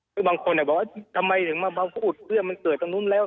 คือบางคนบอกว่าทำไมถึงมาพูดเพื่อมันเกิดตรงนู้นแล้ว